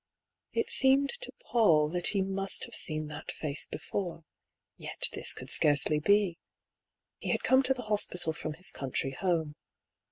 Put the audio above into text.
It seemed to Paull that he must have seen that face before. Yet this could scarcely be. He had come to the hospital from his country home.